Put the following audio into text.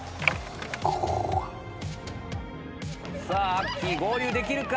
アッキー合流できるか？